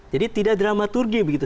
jadi tidak dramaturgi begitu